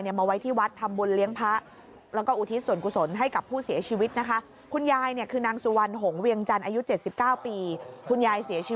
มาไว้ที่วัดทำบุญเลี้ยงพระ